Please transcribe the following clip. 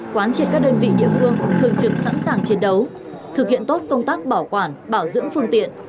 quán triệt các đơn vị địa phương thường trực sẵn sàng chiến đấu thực hiện tốt công tác bảo quản bảo dưỡng phương tiện